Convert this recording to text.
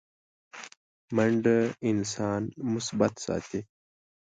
منډه انسان مثبت ساتي